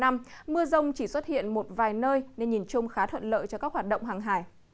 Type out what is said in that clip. mưa rông chỉ xuất hiện một vài nơi nên nhìn chung khá thuận lợi cho các hoạt động hàng hải